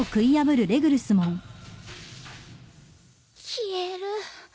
消える。